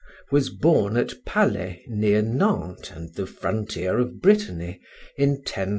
was born at Palais, near Nantes and the frontier of Brittany, in 1079.